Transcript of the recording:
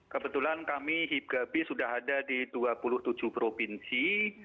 kebetulan kami hibgabi sudah ada di dua puluh tujuh provinsi